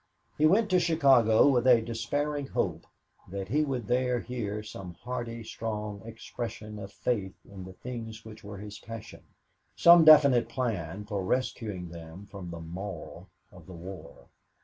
He went to Chicago with a despairing hope that he would there hear some hearty, strong expression of faith in the things which were his passion, some definite plan for rescuing them from the maw of the war.